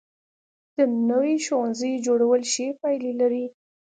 د نویو ښوونځیو جوړول ښې پایلې لري.